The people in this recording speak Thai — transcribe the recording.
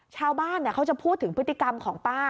ชาวบ้านเขาจะพูดถึงพฤติกรรมของป้า